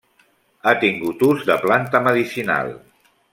Ha tingut ús de planta medicinal.